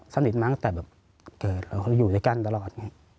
สนิทมาตั้งแต่แบบเกิดเขาอยู่ด้วยกันตลอดไง